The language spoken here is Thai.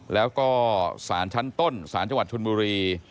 แล้วก็สารชั้นต้นสารจังหวัดชนบุรี